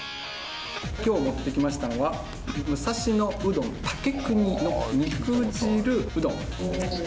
今日持ってきましたのは武蔵野うどん竹國の肉汁うどん。